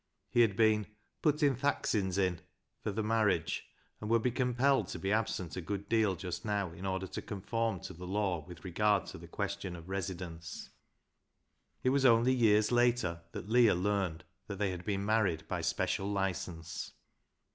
He had been " puttin' th' axins in " for the marriage, and would be compelled to be absent a good deal just now in order to conform to the law with regard to the question of da 94 BECKSIDE LIGHTS residence. It was onl\ years later that Leah learned that the\' had bLcn married by special licence.